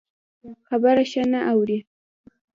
خبره ښه نه اوري.